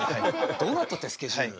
どうなっとってスケジュール。